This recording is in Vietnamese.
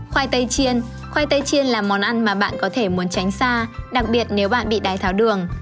khoai tây chiên khoai tây chiên là món ăn mà bạn có thể muốn tránh xa đặc biệt nếu bạn bị đái tháo đường